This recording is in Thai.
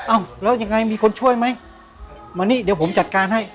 อ้าวแล้วยังไงมีคนช่วยไหมมานี่เดี๋ยวผมจัดการให้